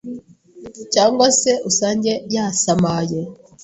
cyangwa se usange yasamaye.